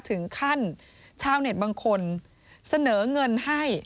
ถึงขั้นชาวเน็ตบางคนเสนอเงินให้